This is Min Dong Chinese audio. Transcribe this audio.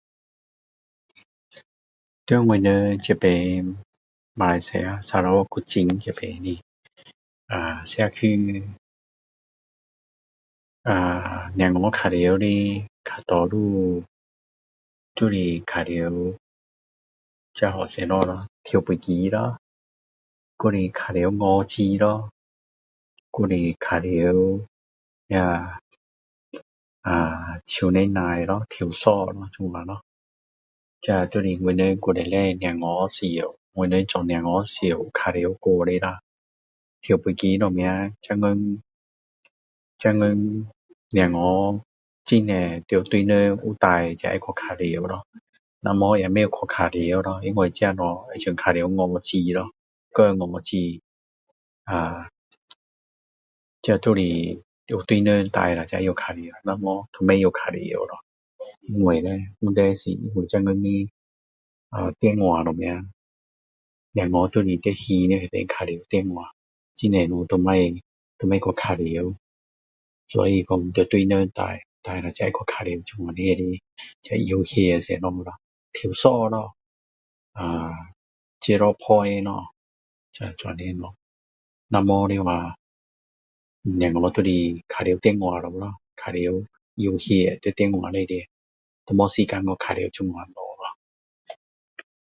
在我们这边马来西亚沙捞越古晋这边的社区小孩玩的比较多都有这叫什么咯跳飞机咯还是玩子咯还是玩塑胶带咯还是跳绳咯这样咯这就是以前我们小孩时我们做小孩时我们玩过的咯跳飞机什么现今现今小孩都要大人有带才会去玩咯不然也不会去玩咯因为这东西像玩五子咯丢五子啊这都是要有大人带了才会玩不然都不会玩咯因为叻问题是现今的啊电话什么那东西就是在那边玩电话很多东西都不会去玩所以说就要有大人带带了才会去玩这样的游戏什么咯跳绳咯呃Jiloppoint咯这样的东西不然的话小孩就是玩电话了咯玩游戏在电话里面都没有时间去玩这样的东西咯